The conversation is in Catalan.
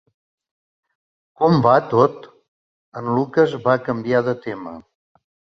"Com va tot?", en Lucas va canviar de tema.